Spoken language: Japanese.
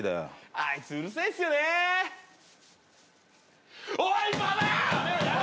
あいつうるさいっすよねおいばば